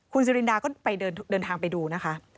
คุณสิรินดาก็ไปเดินทางไปดูนะคะ